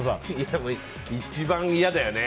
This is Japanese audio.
一番嫌だよね。